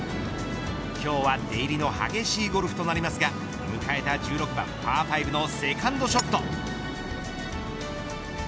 今日は出入りの激しいゴルフとなりますが迎えた１６番パー５のセカンドショット。